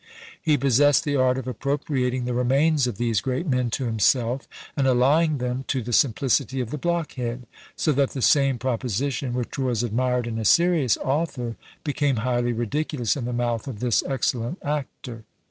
He possessed the art of appropriating the remains of these great men to himself, and allying them to the simplicity of the blockhead; so that the same proposition which was admired in a serious author, became highly ridiculous in the mouth of this excellent actor."